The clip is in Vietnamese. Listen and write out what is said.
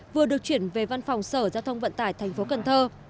vừa được chuyển về văn phòng sở giao thông vận tải tp cần thơ